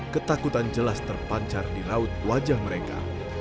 ketakutan jelas terpancar di raut wajah mereka